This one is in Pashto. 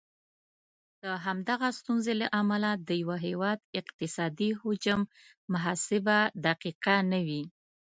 د همدغه ستونزې له امله د یو هیواد اقتصادي حجم محاسبه دقیقه نه وي.